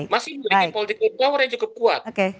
masih memiliki politik yang kuat